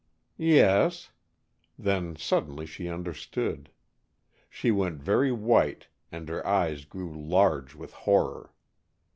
"Yes." Then, suddenly, she understood. She went very white and her eyes grew large with horror.